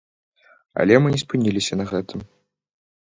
Але мы не спыніліся на гэтым.